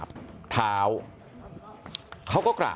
มต้นหนาเอาไปดูคลิปก่อนครับ